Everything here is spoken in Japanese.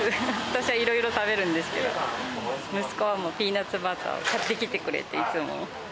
私はいろいろ食べるんですけど、息子はもう、ピーナツバターを買ってきてくれって、いつも。